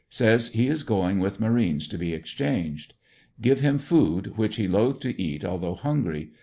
Says he is going with marines to be exchanged. Give him food, which he is loth to eat although hungry.